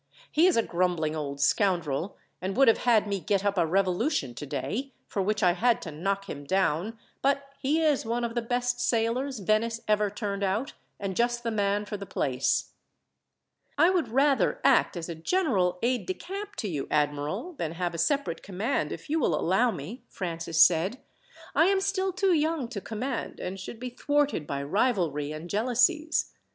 He is a grumbling old scoundrel, and would have had me get up a revolution today, for which I had to knock him down; but he is one of the best sailors Venice ever turned out, and just the man for the place." "I would rather act as a general aide de camp to you, admiral, than have a separate command, if you will allow me," Francis said. "I am still too young to command, and should be thwarted by rivalry and jealousies.